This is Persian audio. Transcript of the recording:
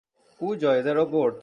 او جایزه را برد.